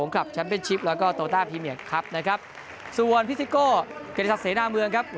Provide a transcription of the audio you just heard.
ครับนะครับส่วนพิสิโก่แกณฑ์ศัตรูเสน่ห์เมืองครับ